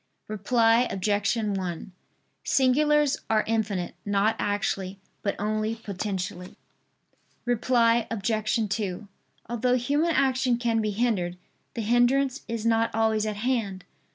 Reply Obj. 1: Singulars are infinite; not actually, but only potentially. Reply Obj. 2: Although human action can be hindered, the hindrance is not always at hand.